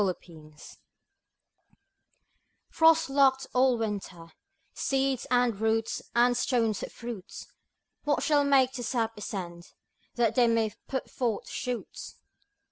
60 SPRING Frost locked all the winter, Seeds, and roots, and stones of fruits, What shall make their sap ascend That they may put forth shoots?